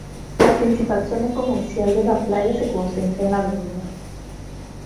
La principal zona comercial de la playa se concentra en la Av.